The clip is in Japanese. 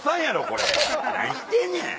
これ何してんねん！